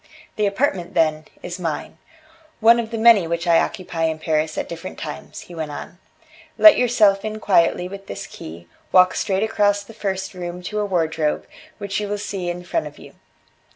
The apartment, then, is mine; one of the many which I occupy in Paris at different times," he went on. "Let yourself in quietly with this key, walk straight across the first room to a wardrobe, which you will see in front of you.